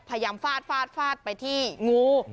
พยายามฟาดฟาดฟาดไปที่งู